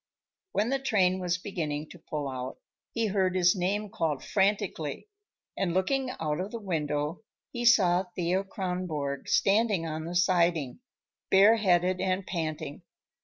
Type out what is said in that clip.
When the train was beginning to pull out, he heard his name called frantically, and looking out of the window he saw Thea Kronborg standing on the siding, bareheaded and panting.